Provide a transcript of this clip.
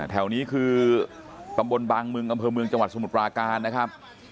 แถวนี้คือตำบลบางมึงอำเภอเมืองจังหวัดสมุทรปราการนะครับ